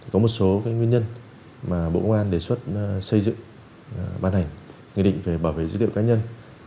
có một số nguyên nhân mà bộ công an đề xuất xây dựng ban hành nghị định về bảo vệ dữ liệu cá nhân